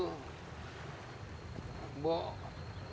kalau bahasa jawanya itu